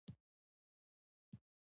خر له پل څخه سیند ته وغورځید او مړ شو.